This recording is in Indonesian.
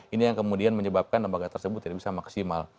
ini yang kemudian menyebabkan lembaga tersebut tidak bisa maksimal